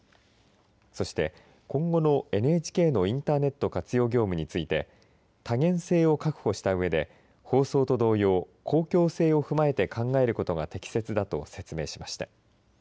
そして今後のＮＨＫのインターネット活用業務について多元性を確保したうえで放送と同様、公共性を踏まえて考えることが適切だと説明しました。